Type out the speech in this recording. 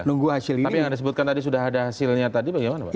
tapi yang anda sebutkan tadi sudah ada hasilnya tadi bagaimana pak